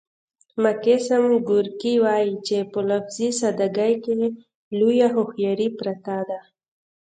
ماکسیم ګورکي وايي چې په لفظي ساده ګۍ کې لویه هوښیاري پرته ده